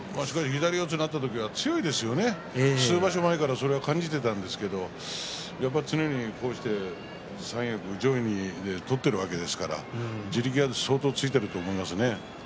左四つになった時は強いですよね、数場所前からそれは感じていたんですけどついにこうして三役上位で取っているわけですから地力は相当ついていると思いますね。